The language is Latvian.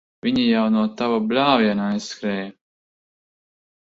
Viņi jau no tava bļāviena aizskrēja.